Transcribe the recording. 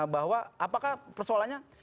bahwa apakah persoalannya